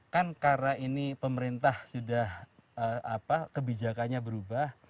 kan karena ini pemerintah sudah kebijakannya berubah